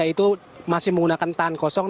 itu masih menggunakan tahan kosong